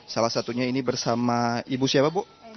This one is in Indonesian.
salah satunya ini bersama ibu siapa bu